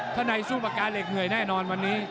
ถ้าในสู้ปากกาเหล็กเหนื่อยแน่นอนวันนี้